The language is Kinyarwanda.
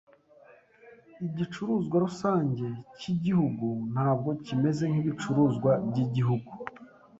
Igicuruzwa rusange cyigihugu ntabwo kimeze nkibicuruzwa byigihugu.